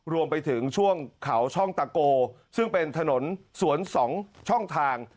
รวมไปถึงช่วงเขาช่องตะโกซึ่งเป็นถนนสวน๒ช่องทาง